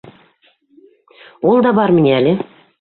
— Ул да бармы ни әле?